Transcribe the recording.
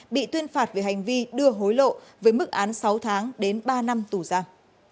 bị tuyên phạt về hành vi đưa hối lộ với mức án sáu tháng đến ba năm tù giam